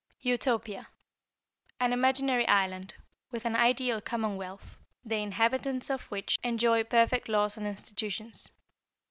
=Utopia.= An imaginary island, with an ideal commonwealth, the inhabitants of which enjoy perfect laws and institutions.